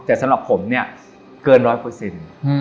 แต่สำหรับผมเนี่ยเกินร้อยเปอร์เซ็นต์